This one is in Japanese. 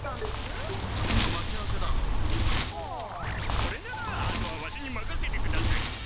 それならあとはワシにまかせてください。